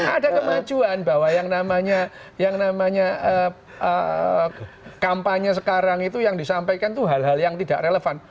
ada kemajuan bahwa yang namanya yang namanya kampanye sekarang itu yang disampaikan itu hal hal yang tidak relevan